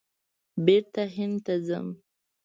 بېرته هند ته ځم !